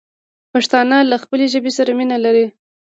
پښتانه له خپلې ژبې سره ډېره مينه لري.